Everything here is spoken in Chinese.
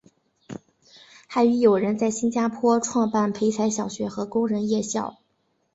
还与友人在新加坡创办培才小学和工人夜校。